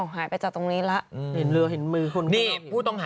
อ๋อหายไปจากตรงนี้ล็ะ